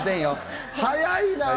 早いな！